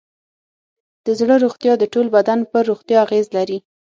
د زړه روغتیا د ټول بدن پر روغتیا اغېز لري.